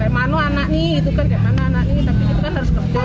mana anak ini mana anak ini tapi itu kan harus kerja